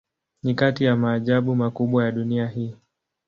Ni kati ya maajabu makubwa ya dunia hii.